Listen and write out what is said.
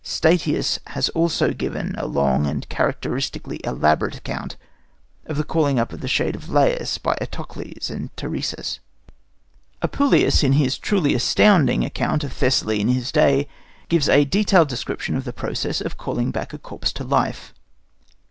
Statius has also given us a long and characteristically elaborate account of the calling up of the shade of Laius by Eteocles and Tiresias. Apuleius, in his truly astounding account of Thessaly in his day, gives a detailed description of the process of calling back a corpse to life.